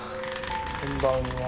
こんばんは。